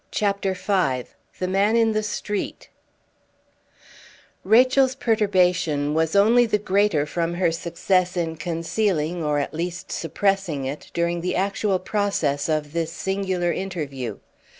CHAPTER V THE MAN IN THE STREET Rachel's perturbation was only the greater from her success in concealing, or at least suppressing it, during the actual process of this singular interview.